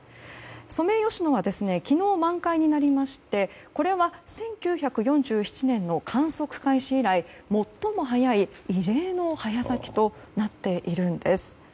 ソメイヨシノは昨日、満開になりましてこれは１９４７年の観測開始以来最も早い異例の早咲きとなっているんです。